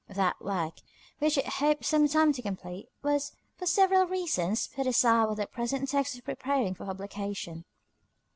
That work, which it is hoped some time to complete, was, for several reasons, put aside while the present text was preparing for publication.